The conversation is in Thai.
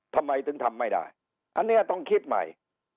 ทำไมถึงทำไม่ได้อันนี้ต้องคิดใหม่